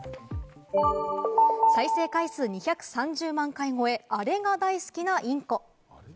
再生回数２３０万回超え、アレが大好きなインコ。